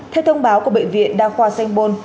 theo thông báo của bệnh viện đa khoa sanh bôn